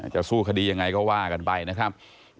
จะสู้คดียังไงก็ว่ากันไปนะครับ